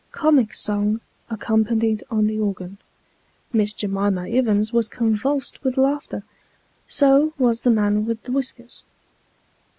Comic song, accompanied on the organ. Miss J'mima Ivins was convulsed with laughter so was the man with the whiskers.